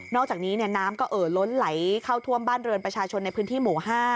อกจากนี้น้ำก็เอ่อล้นไหลเข้าท่วมบ้านเรือนประชาชนในพื้นที่หมู่๕